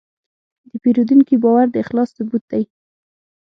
د پیرودونکي باور د اخلاص ثبوت دی.